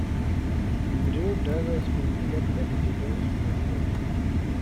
Andrew does a speaking at Benedetto's funeral.